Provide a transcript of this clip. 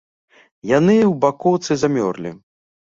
Яны ў бакоўцы замёрлі.